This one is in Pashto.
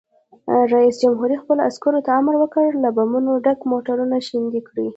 رئیس جمهور خپلو عسکرو ته امر وکړ؛ له بمونو ډک موټر شنډ کړئ!